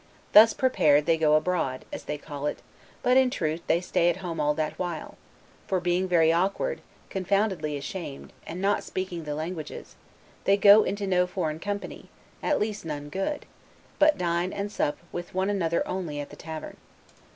Thus prepared, they go abroad, as they call it; but, in truth, they stay at home all that while; for being very awkward, confoundedly ashamed, and not speaking the languages, they go into no foreign company, at least none good; but dine and sup with one another only at the tavern.